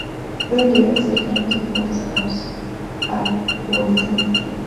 Pueden llegar a ser lianas o plantas arborescentes.